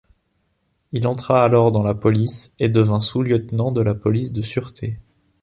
Il entra alors dans la police et devint sous-lieutenant de la police de sûreté.